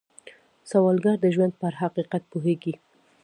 سوالګر د ژوند پر حقیقت پوهېږي